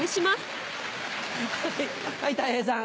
はいたい平さん。